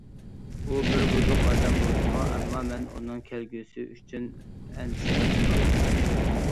ئۇ بىر بۇزۇق ئادەم بولسىمۇ، ئەمما مەن ئۇنىڭ كەلگۈسى ئۈچۈن ئەنسىرەپ قالدىم.